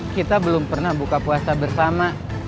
kita belum pernah buka puasa bersama